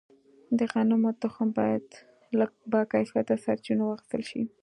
د غنمو تخم باید له باکیفیته سرچینو واخیستل شي.